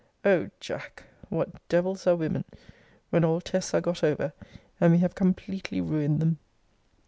O Jack! what devils are women, when all tests are got over, and we have completely ruined them!